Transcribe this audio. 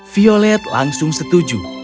violet langsung setuju